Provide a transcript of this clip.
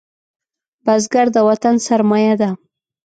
بزګر د وطن سرمايه ده